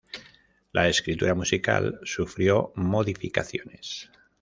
La escritura musical sufrió modificaciones.